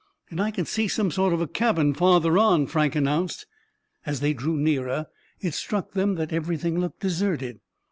"And I can see some sort of cabin farther on," Frank announced. As they drew nearer it struck them that everything looked deserted.